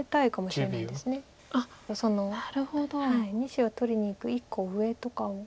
２子を取りにいく１個上とかを。